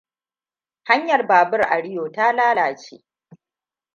Hanyar babur a Rio ta lalace.